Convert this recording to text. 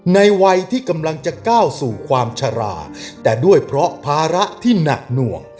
ในวัยที่กำลังจะก้าวสู่ความชะลาแต่ด้วยเพราะภาระที่หนักหน่วง